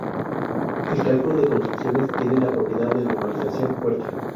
El cálculo de construcciones tiene la propiedad de normalización fuerte.